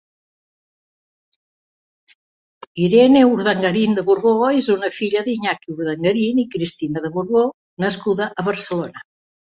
Irene Urdangarín de Borbó és una filla d'Iñaki Urdangarín i Cristina de Borbó nascuda a Barcelona.